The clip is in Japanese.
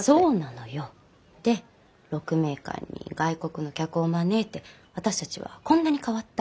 で鹿鳴館に外国の客を招いて「私たちはこんなに変わった。